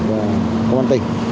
và công an tỉnh